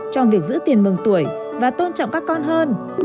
trong việc giữ tiền mừng tuổi và tôn trọng các con hơn